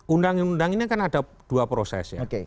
undang undang ini kan ada dua proses ya